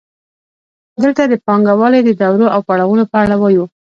دلته د پانګوالۍ د دورو او پړاوونو په اړه وایو